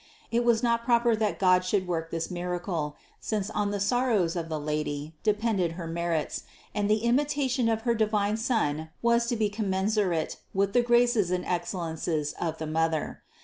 It was not proper that God should work this miracle, since on the sorrows of the Lady depended her merits, and the imitation of her divine Son was to be commensurate with the graces and excellences of the Mother.